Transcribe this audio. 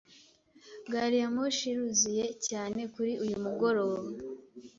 Gari ya moshi iruzuye cyane kuri uyu mugoroba.